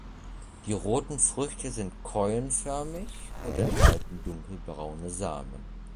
Die roten Früchte sind keulenförmig und enthalten dunkelbraune Samen.